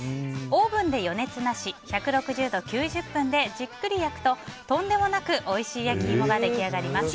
オーブンで余熱なし１６０度９０分でじっくり焼くととんでもなくおいしい焼き芋が出来上がります。